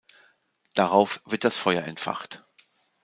Darauf wird das Feuer entfacht.